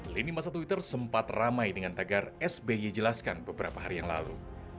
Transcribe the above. lini masa twitter sempat ramai dengan tagar sby jelaskan beberapa hari yang lalu